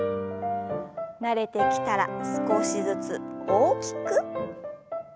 慣れてきたら少しずつ大きく。